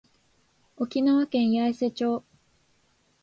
沖縄県八重瀬町